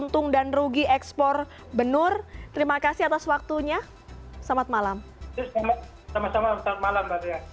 terima kasih atas waktunya selamat malam